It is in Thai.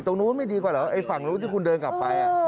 ตรงนู้นไม่ดีกว่าเหรอไอ้ฝั่งนู้นที่คุณเดินกลับไป